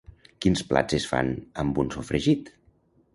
Quins plats es fan amb un sofregit?